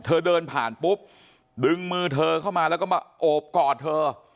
เธอเดินผ่านปุ๊บดึงมือเธอเข้ามาแล้วก็มาโอบกอดเธอ